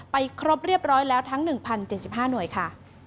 ครบเรียบร้อยแล้วทั้ง๑๐๗๕หน่วยค่ะ